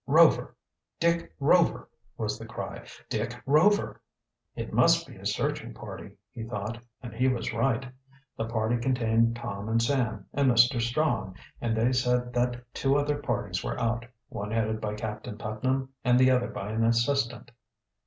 "Rover! Dick Rover!" was the cry. "Dick Rover!" "It must be a searching party," he thought, and he was right. The party contained Tom and Sam, and Mr. Strong, and they said that two other parties were out, one headed by Captain Putnam and the other by an assistant.